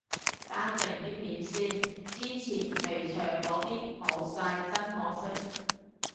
單定啲片先，之前肥祥嗰啲冇晒，真可惜。